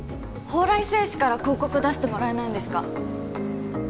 宝来製紙から広告出してもらえないんですか？